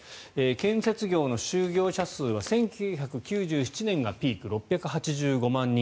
建設業の就業者数は１９９７年がピーク６８５万人。